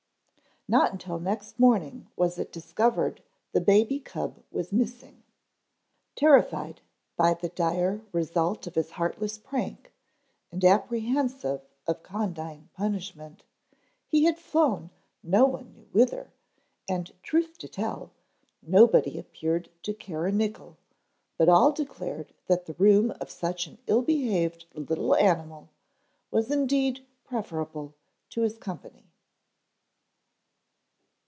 Not until next morning was it discovered the baby cub was missing. Terrified by the dire result of his heartless prank, and apprehensive of condign punishment, he had flown no one knew whither, and truth to tell, nobody appeared to care a nickel, but all declared that the room of such an ill behaved little animal was indeed preferable to his company.